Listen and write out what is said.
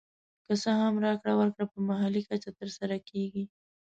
که څه هم راکړه ورکړه په محلي کچه تر سره کېږي